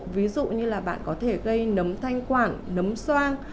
ví dụ như là bạn có thể gây nấm thanh quản nấm xoang